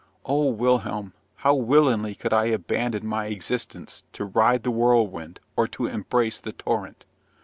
O Wilhelm, how willingly could I abandon my existence to ride the whirlwind, or to embrace the torrent!